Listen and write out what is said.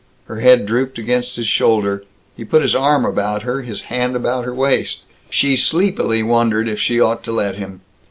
Her head drooped against his shoulder. He put his arm about her, his hand about her waist. She sleepily wondered if she ought to let him.